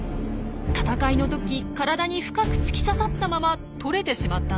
闘いの時体に深く突き刺さったまま取れてしまったんです。